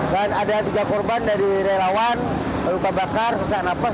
dan ada tiga korban dari relawan luka bakar sesak napas